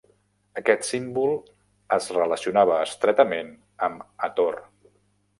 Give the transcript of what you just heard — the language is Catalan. Aquest símbol es relacionava estretament amb Hathor.